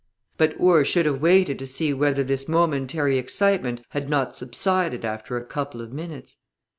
But Ure should have waited to see whether this momentary excitement had not subsided after a couple of minutes.